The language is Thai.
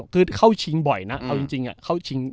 คือเข้าชิงบ่อยนะเอาจริง